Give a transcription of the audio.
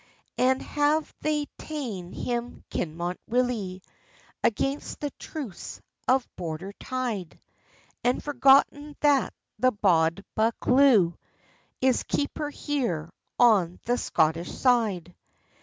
"And have they taen him, Kinmont Willie, Against the truce of Border tide? And forgotten that the bauld Bacleuch Is keeper here on the Scottish side?